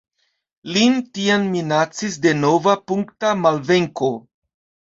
Lin tiam minacis denova punkta malvenko.